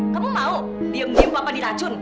kamu mau diam diam papa dilacun